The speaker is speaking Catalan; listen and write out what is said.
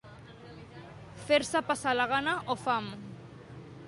Fer-se passar la gana o fam.